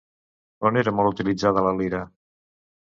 On era molt utilitzada la lira?